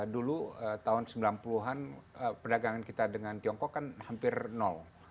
dulu tahun sembilan puluh an perdagangan kita dengan tiongkok kan hampir nol